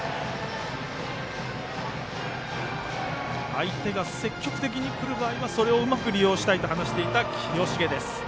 相手が積極的に来る場合はそれをうまく利用したいと話していた清重です。